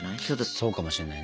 そうかもしれないね。